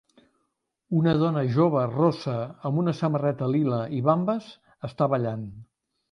Una dona jova rossa amb una samarreta lila i bambes està ballant.